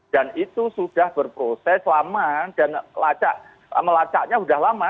dan itu sudah berproses lama dan melacaknya sudah lama